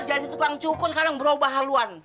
jadi tukang cukur kadang berobah haluan